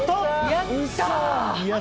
やったー！